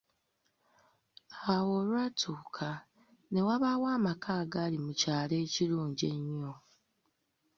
Awo olwatuka ne wabaawo amaka agaali mu kyalo ekirungi ennyo.